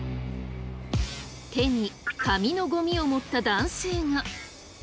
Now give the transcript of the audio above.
手に紙のゴミを持った男性が。